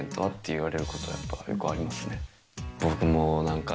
僕もう何か。